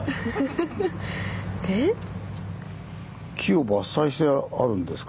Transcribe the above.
木を伐採してあるんですか？